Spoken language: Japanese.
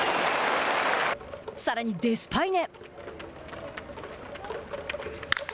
さらにデスパイネ。